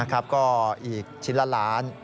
ก็อีกชิ้นละล้าน